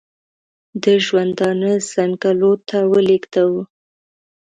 د ژوندانه څنګلو ته ولېږداوه.